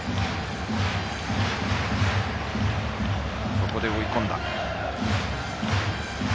ここで追い込んだ。